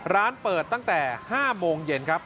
ร้านเปิดตั้งแต่๕โมงเย็นครับ